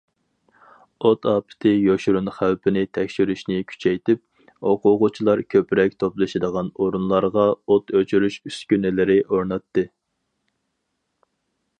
ئوت ئاپىتى يوشۇرۇن خەۋپىنى تەكشۈرۈشنى كۈچەيتىپ، ئوقۇغۇچىلار كۆپرەك توپلىشىدىغان ئورۇنلارغا ئوت ئۆچۈرۈش ئۈسكۈنىلىرى ئورناتتى.